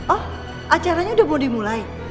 oh acaranya udah mau dimulai